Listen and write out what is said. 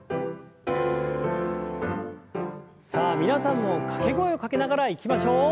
さあ皆さんも掛け声をかけながらいきましょう。